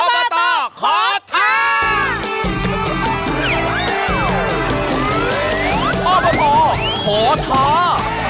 อบตขอท้อ